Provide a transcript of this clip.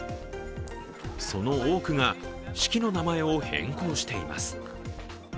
その多くが式の名前を変更しています。